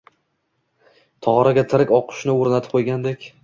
Tog‘oraga tirik oqqushni o‘rnatib qo‘ygandek